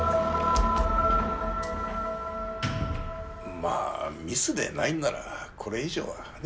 まあミスでないんならこれ以上はね。